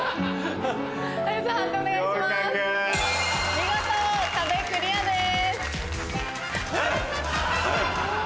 見事壁クリアです。